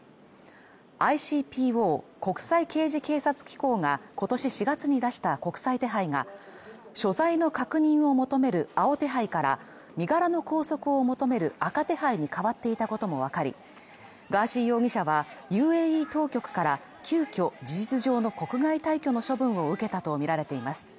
ＩＣＰＯ＝国際刑事警察機構が今年４月に出した国際手配が詳細の確認を求める青手配から身柄の拘束を求める赤手配に変わっていたこともわかり、ガーシー容疑者はＵＡＥ当局から急遽事実上の国外退去の処分を受けたとみられています。